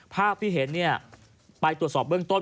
ภาพที่เห็นไปตรวจสอบเบื้องต้น